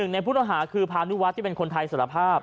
ในผู้ต้องหาคือพานุวัฒน์ที่เป็นคนไทยสารภาพ